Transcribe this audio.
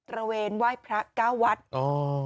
ระเวนไหว้พระเก้าวัดอ๋อ